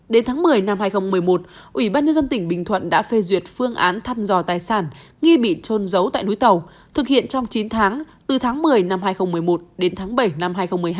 đến tháng một mươi năm hai nghìn một mươi một ủy ban nhân dân tỉnh bình thuận đã phê duyệt phương án thăm dò tài sản nghi bị trôn giấu tại núi tàu thực hiện trong chín tháng từ tháng một mươi năm hai nghìn một mươi một đến tháng bảy năm hai nghìn một mươi hai